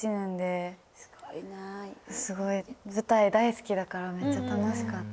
すごい舞台大好きだからめっちゃ楽しかった。